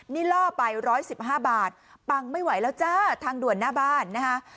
นี่ล่อไป๑๑๕บาทปังไม่ไหวแล้วจ้าทางด่วนหน้าบ้านนะคะ